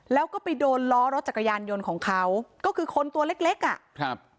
แล้วก็ไปโดนล้อรถจักรยานยนต์ของเขาก็คือคนตัวเล็กเล็กอ่ะครับ